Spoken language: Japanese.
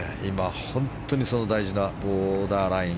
本当にその大事なボーダーライン